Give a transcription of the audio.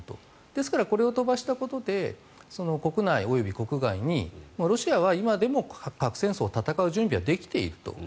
ですからこれを飛ばしたことで国内及び国外にロシアは今でも核戦争を戦う準備はできていると。